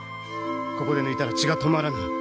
ここで抜いたら血が止まらぬ。